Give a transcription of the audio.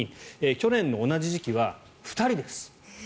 去年の同じ時期は２人です。